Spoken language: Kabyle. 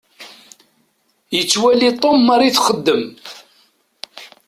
Yettwali Tom Mary txeddem.